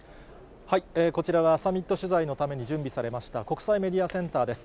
こちらはサミット取材のために準備されました国際メディアセンターです。